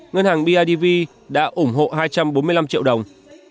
ngân hàng bidv đã ủng hộ hai trăm bốn mươi năm triệu đồng